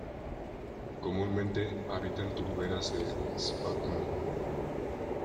Comúnmente habita en turberas de sphagnum.